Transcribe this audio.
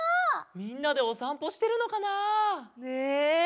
みんなでおさんぽしてるのかな？ね！